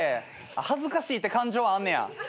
恥ずかしいって感情はあんねや。